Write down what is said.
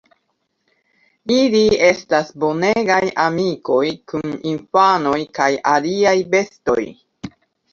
Ili estas bonegaj amikoj kun infanoj kaj aliaj bestoj.